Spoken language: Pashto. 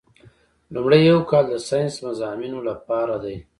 لومړی یو کال د ساینسي مضامینو لپاره دی.